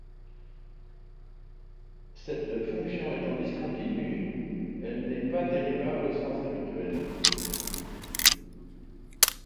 Cette fonction étant discontinue, elle n'est pas dérivable au sens habituel.